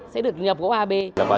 sẽ được nhập gỗ ab